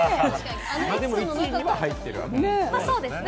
でも１位には入ってるわけですよね。